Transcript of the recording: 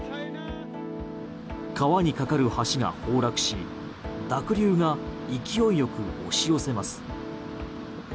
川に架かる橋が崩落し濁流が勢いよく押し寄せます。